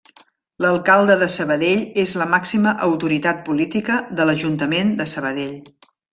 L'alcalde de Sabadell és la màxima autoritat política de l'Ajuntament de Sabadell.